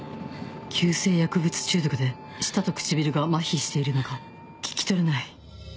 急性薬物中毒で舌と唇が麻痺しているのか聞き取れない